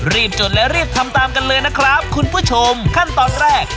จุดและรีบทำตามกันเลยนะครับคุณผู้ชมขั้นตอนแรก